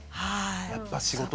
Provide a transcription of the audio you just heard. やっぱ仕事が。